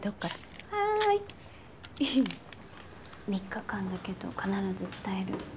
３日間だけど必ず伝える。